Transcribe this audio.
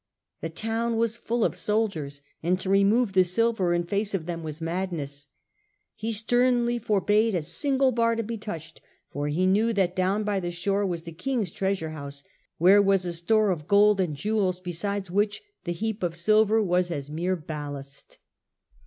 The town was full of soldiers, and to remove the silver in face of them yr9A madness. He sternly forbade a single bar to be touched, for he knew that down by the shore was the King's treasure house, where was a store of gold and jewels beside which the heap of silver was as mere ballast.